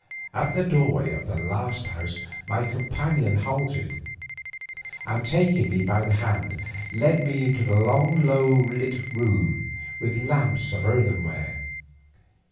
At the doorway of the last house my companion halted, and taking me by the hand, led me into a long low room lit with lamps of earthenware.